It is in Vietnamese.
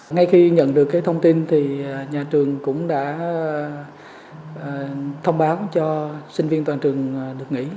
ngay khi nhận được cái thông tin thì nhà trường cũng đã thông báo cho sinh viên toàn trường được nghỉ